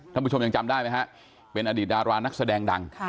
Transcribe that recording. ท่านผู้ชมยังจำได้ไหมฮะเป็นอดีตดารานักแสดงดัง